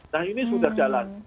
nah ini sudah jalan